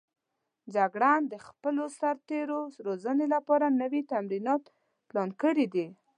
جګړن د خپلو سرتېرو روزنې لپاره نوي تمرینونه پلان کړي دي.